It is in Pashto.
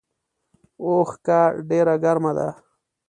اوښکه ډیره ګرمه ده